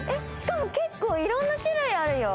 結構いろんな種類あるよ。